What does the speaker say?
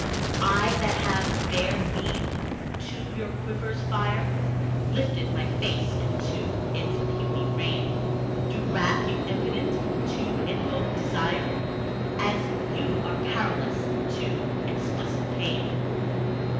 I, that have bared me to your quiver's fire, Lifted my face into its puny rain, Do wreathe you Impotent to Evoke Desire As you are Powerless to Elicit Pain!